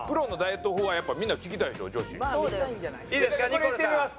これいってみます！